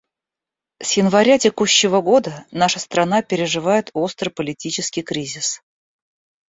С января текущего года наша страна переживает острый политический кризис.